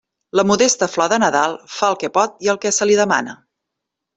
La modesta flor de Nadal fa el que pot i el que se li demana.